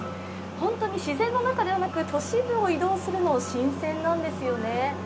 本当に自然の中ではなく都市部を移動するのは新鮮なんですよね。